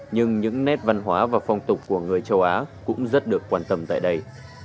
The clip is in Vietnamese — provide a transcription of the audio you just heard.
nhưng những nét văn hóa và phong tục của người châu á cũng rất được quan tâm tại đây